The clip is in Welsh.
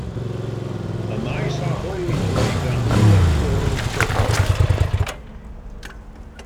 Ymaith â hwy drwy ganol y twr pobl.